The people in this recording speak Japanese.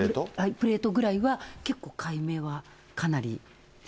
プレートぐらいは結構解明はかなり。